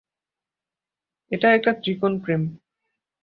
এটা একটা ত্রিকোণ প্রেম।